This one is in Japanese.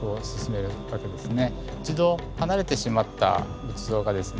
一度離れてしまった仏像がですね